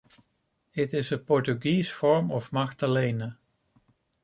It is a Portuguese form of Magdalene.